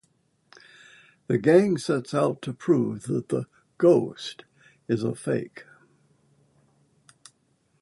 The gang sets out to prove that the "ghost" is a fake.